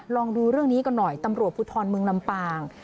ลองดูเรื่องนี้กันหน่อยตำรวจภูทรเมืองลำปาง